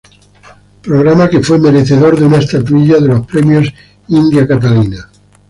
Programa que fue merecedor de una estatuilla de los premios India Catalina.